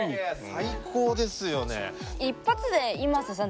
最高ですよね。